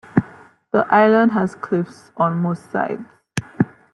The island has cliffs on most sides.